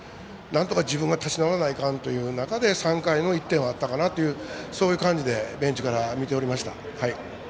なんとか自分が立ち直らないといかんという３回の１点はあったかなとそういう感じでベンチから見ておりました。